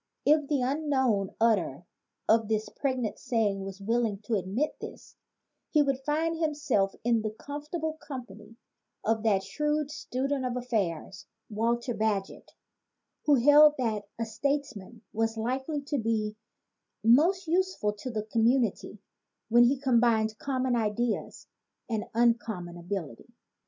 If the unknown utterer of this pregnant saying was willing to admit this, he would find himself in the comfortable company of that shrewd student of affairs, Walter Bagehot, who held that a statesman was likely to be most useful to the community when he combined common ideas and uncommon ability.